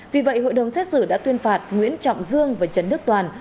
vì vậy hội đồng xét xử đã tuyên phạt nguyễn trọng dương và trần đức toàn